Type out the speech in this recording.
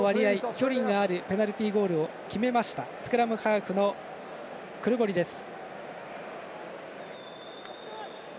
距離のあるペナルティゴールを決めましたスクラムハーフのクルボリです。